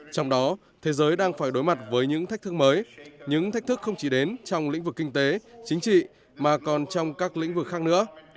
trong đó thế giới đang phải đối mặt với những thách thức mới những thách thức không chỉ đến trong lĩnh vực kinh tế chính trị mà còn trong các lĩnh vực khác nữa